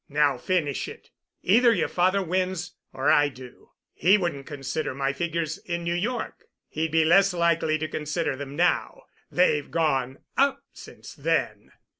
Now finish it. Either your father wins—or I do. He wouldn't consider my figures in New York. He'd be less likely to consider them now. They've gone up since then."